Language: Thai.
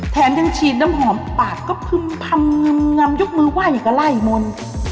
แทนยังฉีดน้ำหอมปากก็พึ่งพังงำยกมือไหว่ก็ไล่มน